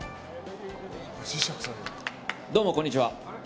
どうも、こんにちは。